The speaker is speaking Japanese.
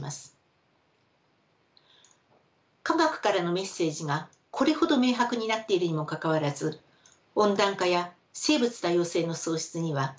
科学からのメッセージがこれほど明白になっているにもかかわらず温暖化や生物多様性の喪失には歯止めがかかりません。